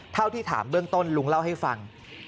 เท่าที่ถามเบื้องต้นลุงเล่าให้ฟัง